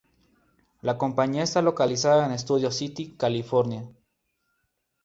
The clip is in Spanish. La compañía está localizada en Studio City, California.